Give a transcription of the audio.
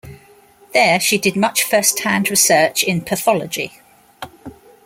There she did much first-hand research in pathology.